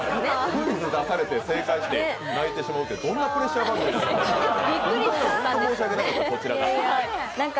クイズ出されて正解して泣いてしまうってどんなプレッシャー番組やねん。